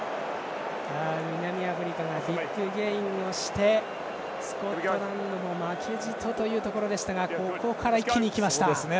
南アフリカがビッグゲインをしてスコットランドも負けじとというところでしたがここは一気に行きましたね。